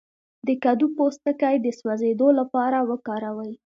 د کدو پوستکی د سوځیدو لپاره وکاروئ